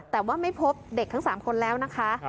แต่ว่าไม่พบเด็กทั้ง๓คนแล้วนะคะ